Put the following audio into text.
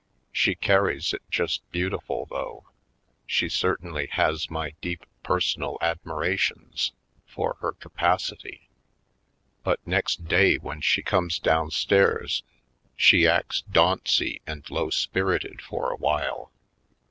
She carries it just beautiful, though; she certainly has my deep personal admirations for her ca pacity. But next day when she comes down stairs she acts dauncy and low spirited for awhile.